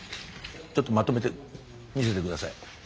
ちょっとまとめて見せて下さい。